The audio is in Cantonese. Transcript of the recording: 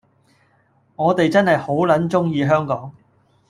我哋真係好撚鍾意香港